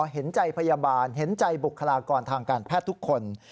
เห็นใจพยาบาลเห็นใจบุคลากรทางการแพทย์ทุกคน